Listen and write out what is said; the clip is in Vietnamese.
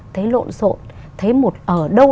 thấy lộn xộn thấy một ở đâu